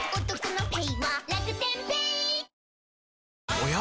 おや？